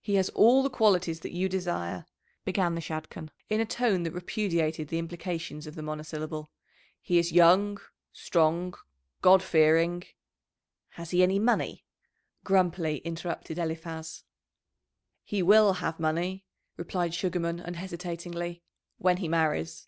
"He has all the qualities that you desire," began the Shadchan, in a tone that repudiated the implications of the monosyllable. "He is young, strong, God fearing " "Has he any money?" grumpily interrupted Eliphaz. "He will have money," replied Sugarman unhesitatingly, "when he marries."